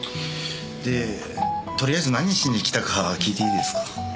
でとりあえず何しに来たか聞いていいですか？